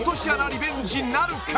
リベンジなるか！？